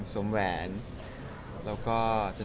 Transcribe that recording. สวัสดีครับ